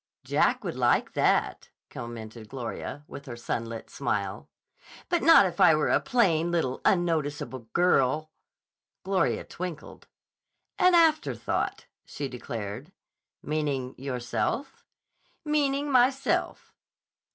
"Jack would like that," commented Gloria, with her sunlit smile. "But not if I were a plain, little, unnoticeable girl" Gloria twinkled. "An afterthought," she declared. "Meaning yourself?" "Meaning myself."